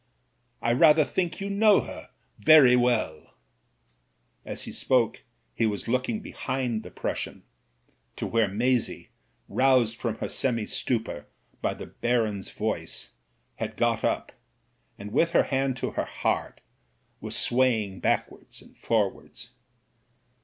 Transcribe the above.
I rather think you know her — ^very well." As he spcJce he was look ing behind the Prussian, to where Maisie — aroused from her semi stupor by the Baron's voice — had got up, and with her hand to her heart was swaying back wards and forwards.